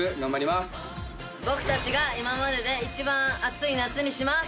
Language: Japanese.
僕たちが今までで一番熱い夏にします！